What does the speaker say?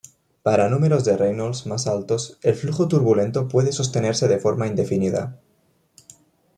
Para números de Reynolds más altos el flujo turbulento puede sostenerse de forma indefinida.